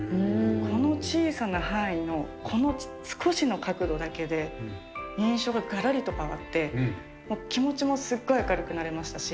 この小さな範囲の、この少しの角度だけで、印象ががらりと変わって、気持ちもすっごい明るくなりましたし。